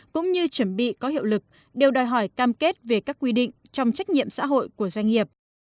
cũng như chuẩn bị có hiệu lực đều đòi hỏi cam kết về các quy định trong trách nhiệm xã hội của doanh nghiệp